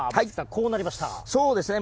こうなりましたね。